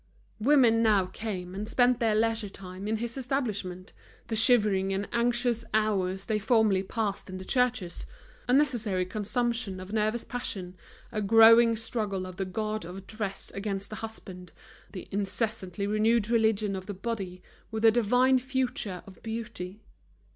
Women now came and spent their leisure time in his establishment, the shivering and anxious hours they formerly passed in churches: a necessary consumption of nervous passion, a growing struggle of the god of dress against the husband, the incessantly renewed religion of the body with the divine future of beauty.